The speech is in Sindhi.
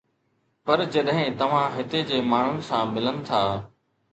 پر جڏهن توهان هتي جي ماڻهن سان ملن ٿا